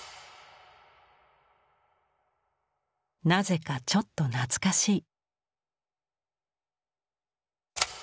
なぜかちょっと懐かしい。